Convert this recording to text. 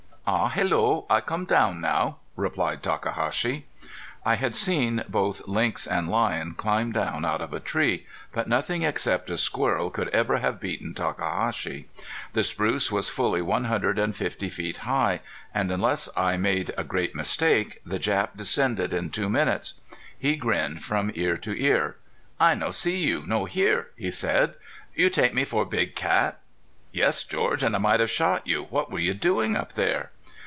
"Aw hullo! I come down now," replied Takahashi. I had seen both lynx and lion climb down out of a tree, but nothing except a squirrel could ever have beaten Takahashi. The spruce was fully one hundred and fifty feet high; and unless I made a great mistake the Jap descended in two minutes. He grinned from ear to ear. "I no see you no hear," he said. "You take me for big cat?" "Yes, George, and I might have shot you. What were you doing up there?"